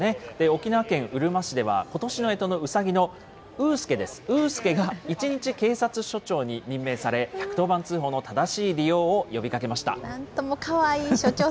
沖縄県うるま市では、ことしのえとのうさぎのうーすけです、うーすけが、一日警察署長に任命され、１１０番通報の正しい利用を呼びかけました。